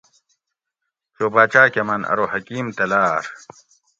چو باچا کہ من ارو حکیم تلار